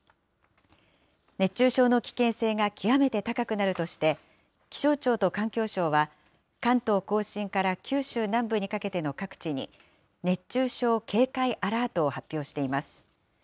熱中症の危険性が極めて高くなるとして、気象庁と環境省は、関東甲信から九州南部にかけての各地に、熱中症警戒アラートを発表しています。